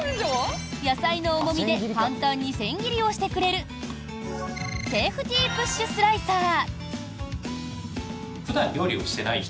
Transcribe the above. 野菜の重みで簡単に千切りをしてくれるセーフティープッシュスライサー。